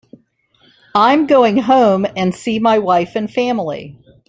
I'm going home and see my wife and family.